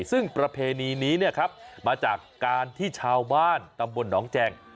ซึ่งประเพณีนี้มาจากการที่ชาวบ้านตำบลหนองแจง